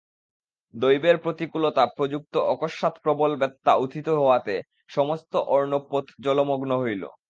দৈবের প্রতিকূলতা প্রযুক্ত অকস্মাৎ প্রবল বাত্যা উত্থিত হওয়াতে সমস্ত অর্ণবপোত জলমগ্ন হইল।